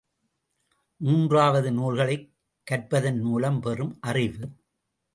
மூன்றாவது, நூல்களைக் கற்பதன் மூலம் பெறும் அறிவு.